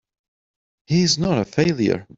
He's not a failure!